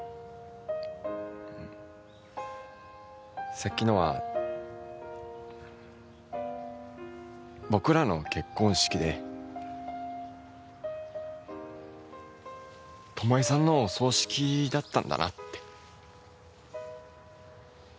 さっきのは僕らの結婚式で巴さんのお葬式だったんだなって。